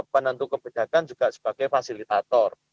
penentu kebijakan juga sebagai fasilitator